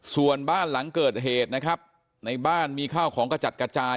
ส่วนบ้านหลังเกิดเหตุนะครับในบ้านมีข้าวของกระจัดกระจาย